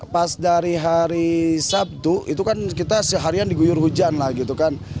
pas dari hari sabtu itu kan kita seharian diguyur hujan lah gitu kan